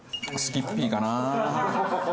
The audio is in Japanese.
スキッピーかな。